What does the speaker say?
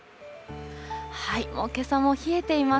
もうけさも冷えています。